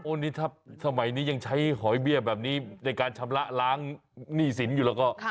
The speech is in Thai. นี่ถ้าสมัยนี้ยังใช้หอยเบี้ยแบบนี้ในการชำระล้างหนี้สินอยู่แล้วก็